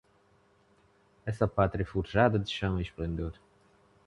Essa pátria é forjada de chama e esplendor